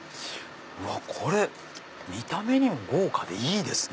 これ見た目にも豪華でいいですね。